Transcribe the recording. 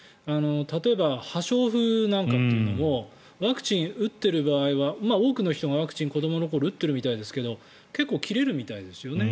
例えば破傷風なんかというのもワクチンを打っている場合は多くの人がワクチンを子どもの頃に打ってるみたいですが結構切れるみたいですよね。